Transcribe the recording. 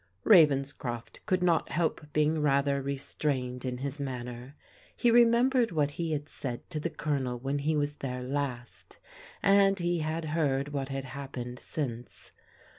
Ravenscroft could not help being rather restrained in his manner. He remembered what he had said to the Colonel when he was there last, and he had heard what had happened since.